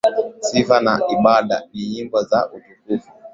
Sifa na ibada ni nyimbo za utukufu.